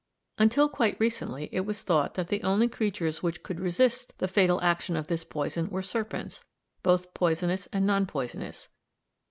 Until quite recently it was thought that the only creatures which could resist the fatal action of this poison were serpents, both poisonous and non poisonous.